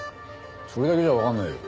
それだけじゃわかんないよ。